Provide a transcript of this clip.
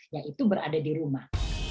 yaitu berada di rumah